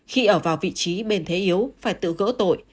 khi ở vào vị trí bên thế yếu phải tự gỡ tội